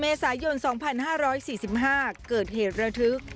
เมษายน๒๕๔๕เกิดเหตุระทึก